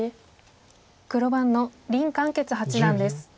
黒番の林漢傑八段です。